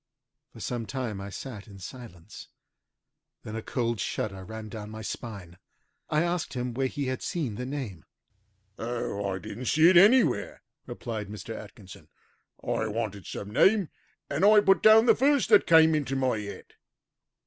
For some time I sat in silence. Then a cold shudder ran down my spine. I asked him where he had seen the name. "Oh, I didn't see it anywhere," replied Mr. Atkinson. "I wanted some name, and I put down the first that came into my head.